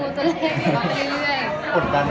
โอเคฮ่รู้เหมือนเจ้านะ